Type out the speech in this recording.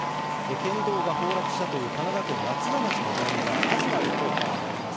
県道が崩落したという神奈川県松田町の現場、東リポーターがいます。